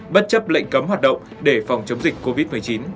bất chấp lệnh cấm hoạt động để phòng chống dịch covid một mươi chín